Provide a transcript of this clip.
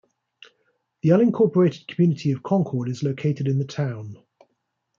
The unincorporated community of Concord is located in the town.